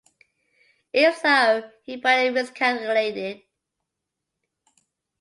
If so, he badly miscalculated.